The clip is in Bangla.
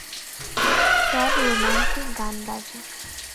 স্যাড রোমান্টিক গান বাজে।